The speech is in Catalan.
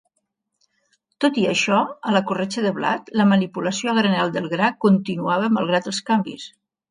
Tot i això, a la corretja de blat, la manipulació a granel del gra continuava malgrat els canvis.